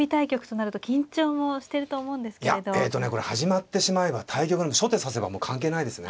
えとねこれ始まってしまえば対局の初手指せばもう関係ないですね。